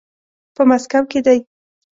په ماسکو کې دی.